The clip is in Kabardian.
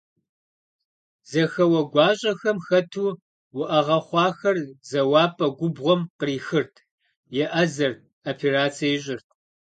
Зэхэуэ гуащӀэхэм хэту, уӀэгъэ хъуахэр зэуапӀэ губгъуэм кърихырт, еӀэзэрт, операцэ ищӀырт…